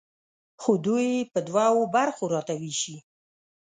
خو دوی یې په دوو برخو راته ویشي.